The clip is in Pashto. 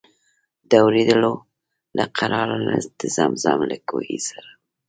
د اورېدلو له قراره د زمزم له کوهي سره.